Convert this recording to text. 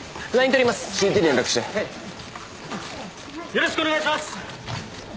よろしくお願いします！